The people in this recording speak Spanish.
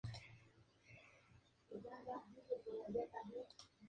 Una de ellas era Mut´a.